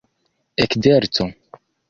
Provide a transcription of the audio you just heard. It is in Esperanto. ekzerco